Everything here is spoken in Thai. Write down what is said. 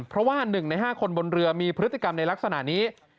เพราะว่า๑ใน๕คนบนเรือมีพฤติกรรมในลักษณะนี้